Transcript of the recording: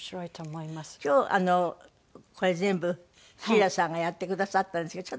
今日これ全部シーラさんがやってくださったんですけど。